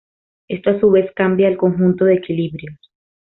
Esto a su vez cambia el conjunto de equilibrios.